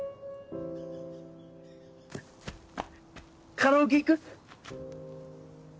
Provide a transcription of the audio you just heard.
カラオケ行く？